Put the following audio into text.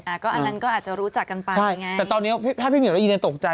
อันนั้นก็อาจจะรู้จักกันไปไงใช่แต่ตอนนี้ถ้าพี่หมิวแล้วอีแดนตกใจ